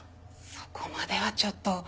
そこまではちょっと。